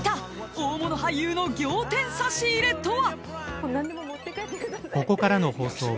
大物俳優の仰天差し入れとは⁉］